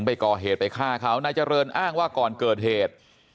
นายเจริญอ้างท่ามเอกว่าก่อนเกิดเหตุ